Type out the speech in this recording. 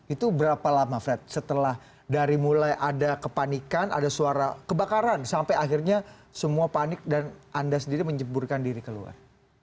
itu berapa lama fred setelah dari mulai ada kepanikan ada suara kebakaran sampai akhirnya semua panik dan anda sendiri menjeburkan diri keluar